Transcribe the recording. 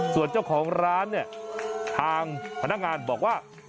ส่วนเจ้าของร้านเนี่ยทางพนักงานบอกว่า